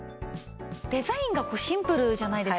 デザインがシンプルじゃないですか。